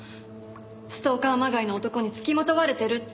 ストーカーまがいの男につきまとわれてるって。